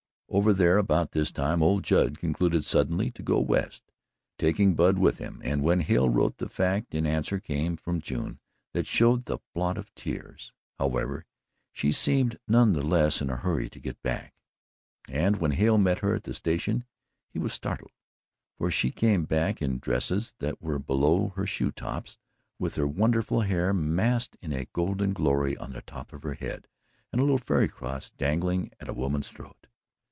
Over there about this time, old Judd concluded suddenly to go West, taking Bud with him, and when Hale wrote the fact, an answer came from June that showed the blot of tears. However, she seemed none the less in a hurry to get back, and when Hale met her at the station, he was startled; for she came back in dresses that were below her shoe tops, with her wonderful hair massed in a golden glory on the top of her head and the little fairy cross dangling at a woman's throat.